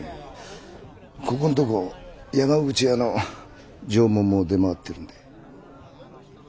ここんとこ山口屋の上物も出回ってるんで。